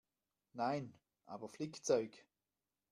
Nein, aber Flickzeug.